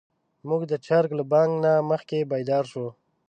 موږ د چرګ له بانګ نه مخکې بيدار شوو.